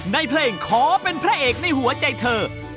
ในเพลงขอเป็นพระเอกในหัวใจเธอ